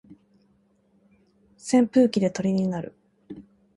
扇風機で鳥になる